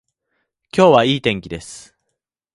今日はいい天気です